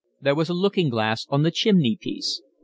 There was a looking glass on the chimney piece.